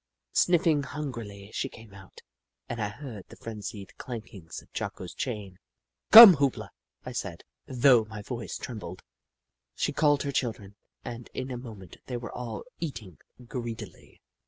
Sniffing hungrily, she came out, and I heard the frenzied clankings of Jocko's chain. " Come, Hoop La," I said, though my voice trembled. She called her children, and in a moment they were all eating greedily.